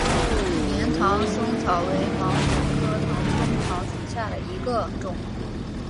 粘唐松草为毛茛科唐松草属下的一个种。